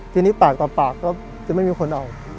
ทีนี้ปากต่อปากก็จะไม่มีคนเอา